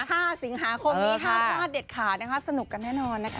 จริงค่ะครบนี้๕ท่าเด็ดขาดนะคะสนุกกันแน่นอนนะคะ